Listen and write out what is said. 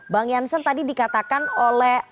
bang jansen tadi dikatakan oleh